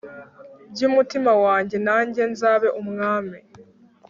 bwumutima wajye najye nzabe umwami